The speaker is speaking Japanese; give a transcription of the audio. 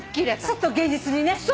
すっと現実にね。